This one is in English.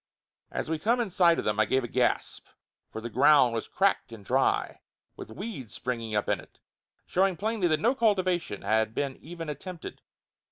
As we come in sight of them I give a gasp, for the ground was cracked and dry, with weeds springing up in it, showing plainly that no cultivation had been even attempted.